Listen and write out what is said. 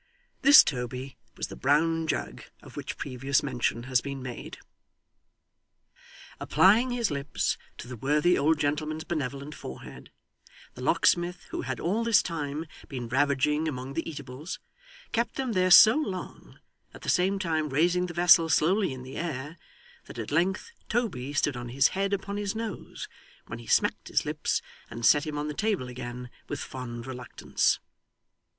This Toby was the brown jug of which previous mention has been made. Applying his lips to the worthy old gentleman's benevolent forehead, the locksmith, who had all this time been ravaging among the eatables, kept them there so long, at the same time raising the vessel slowly in the air, that at length Toby stood on his head upon his nose, when he smacked his lips, and set him on the table again with fond reluctance.